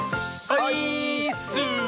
オイーッス！